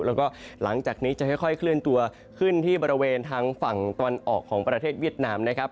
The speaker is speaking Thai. แล้วก็หลังจากนี้จะค่อยเคลื่อนตัวขึ้นที่บริเวณทางฝั่งตะวันออกของประเทศเวียดนามนะครับ